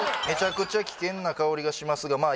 「めちゃくちゃ危険な香りがしますが」